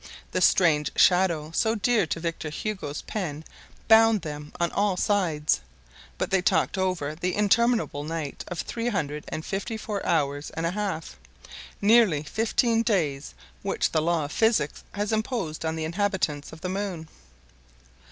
The "strange" shadow so dear to Victor Hugo's pen bound them on all sides. But they talked over the interminable night of three hundred and fifty four hours and a half, nearly fifteen days, which the law of physics has imposed on the inhabitants of the moon.